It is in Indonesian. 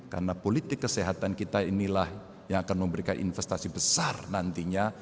karena politik kesehatan kita inilah yang akan memberikan investasi besar nantinya